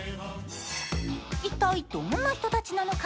一体、どんな人たちなのか。